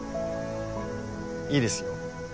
いいですよ。